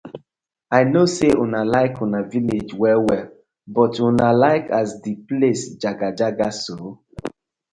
I no say una like una villag well well but una like as di place jagajaga so?